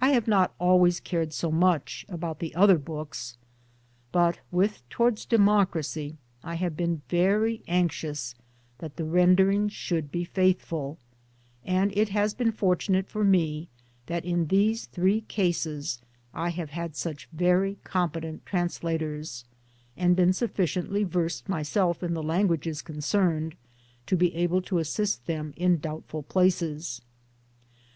I have not always cared so much about the other books, but with Towards Democracy I have been very anxious that the renderings should be faithful ; and it has been fortunate for me that in these three cases I have had such very competent translators, and been sufficiently versed myself in the languages concerned to be able to assist them in doubtful places.